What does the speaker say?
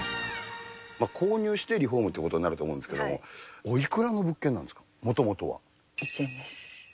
購入してリフォームということになると思うんですけど、おいくらの物件なんですか、１円です。